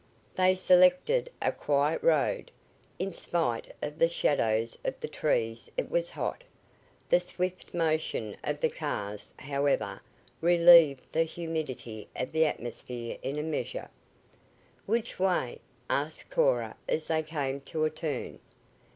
They selected a quiet road. In spite of the shadows of the trees it was hot. The swift motion of the cars, however, relieved the humidity of the atmosphere in a measure. "Which way?" asked Cora as they came to a turn.